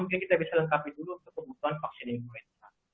mungkin kita bisa lengkapi dulu untuk kebutuhan vaksin influenza